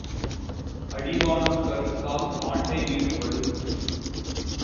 அடிவானம் கறுத்தால் ஆண்டை வீடு வலுக்கும்.